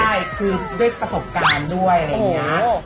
ใช่คือด้วยประสบการณ์ด้วยอะไรอย่างนี้